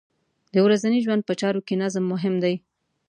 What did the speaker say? د ورځنۍ ژوند په چارو کې نظم مهم دی.